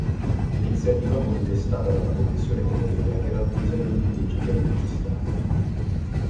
Iniziativa contestata dalla Commissione Europea che ravvisa degli illeciti aiuti di stato.